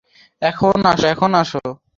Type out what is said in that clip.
এখন, আসো।